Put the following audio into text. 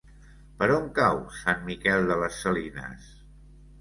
Per on cau Sant Miquel de les Salines?